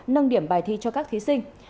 nâng điểm bài thi cho các thí sinh